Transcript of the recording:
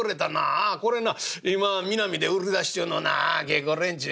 ああこれな今ミナミで売り出し中のな芸子連中や。